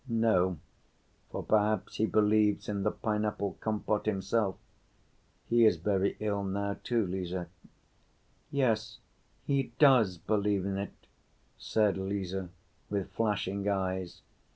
"No, for perhaps he believes in the pineapple compote himself. He is very ill now, too, Lise." "Yes, he does believe in it," said Lise, with flashing eyes.